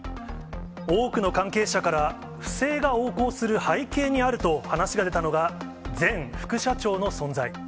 多くの関係者から、不正が横行する背景にあると話が出たのが、前副社長の存在。